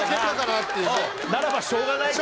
ならばしょうがないか。